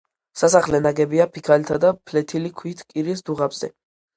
სასახლე ნაგებია ფიქალითა და ფლეთილი ქვით კირის დუღაბზე.